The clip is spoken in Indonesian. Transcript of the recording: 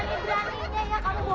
minta dia apain kamu